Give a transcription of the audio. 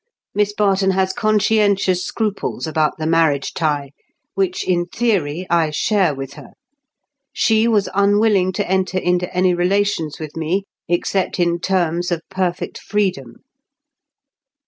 Miss Barton has conscientious scruples about the marriage tie, which in theory I share with her; she was unwilling to enter into any relations with me except in terms of perfect freedom."